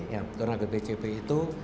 yang pernah ke bpjp itu